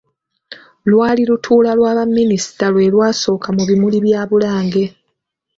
Lwali lutuula lwa Baminisita lwe lwasooka mu bimuli bya Bulange.